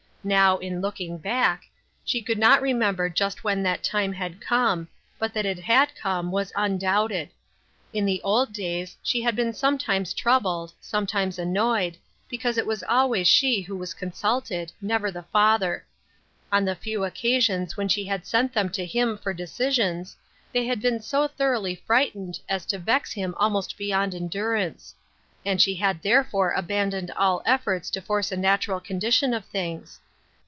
Now, in looking back, she could not remember just when that time had come, but that it had come, was undoubted. In the old days she had been sometimes troubled, sometimes annoyed, because it was always she who was consulted, never the father ; on the few occasions when she had sent them to him for decisions, they had been so thoroughly frightened as to vex him almost be yond endurance ; and she had therefore abandoned all efforts to force a natural condition of things.